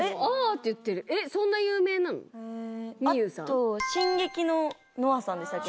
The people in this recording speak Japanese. あと進撃のノアさんでしたっけ。